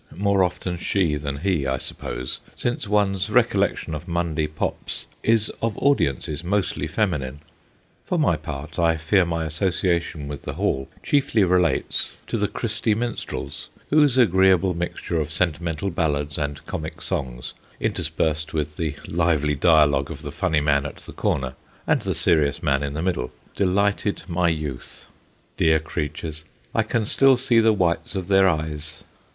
More often she than he, I suppose, since one's recollection of Monday Pops is of audiences mostly feminine. For my part, I fear my associa tion with the hall chiefly relates to the 238 THE GHOSTS OF PICCADILLY Christy Minstrels, whose agreeable mixture of sentimental ballads and comic songs, interspersed with the lively dialogue of the funny man at the corner, and the serious man in the middle, delighted my youth. Dear creatures, I can still see the whites of their eyes.